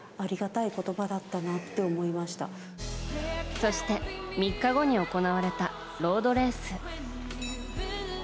そして、３日後に行われたロードレース。